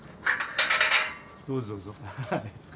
どうぞどうぞ。